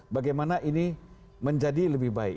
bagaimana ini menjadi lebih baik